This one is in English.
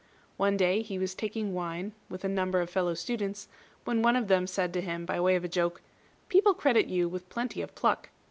One day he was taking wine with a number of fellow students, when one of them said to him, by way of a joke, "People credit you with plenty of pluck.